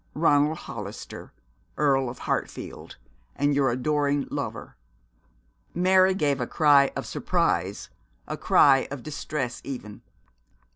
'Ronald Hollister, Earl of Hartfield, and your adoring lover!' Mary gave a cry of surprise, a cry of distress even.